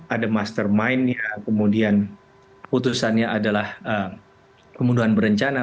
ada mastermind nya kemudian putusannya adalah kemudahan berencana